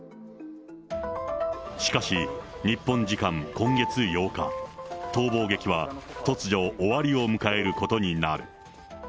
しかし、日本時間今月８日、逃亡劇は突如、終わりを迎えることになる。